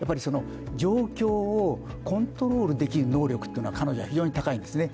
状況をコントロールできる能力が彼女は非常に高いんですね。